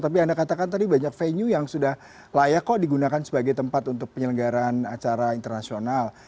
tapi anda katakan tadi banyak venue yang sudah layak kok digunakan sebagai tempat untuk penyelenggaraan acara internasional